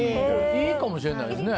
いいかもしれないですね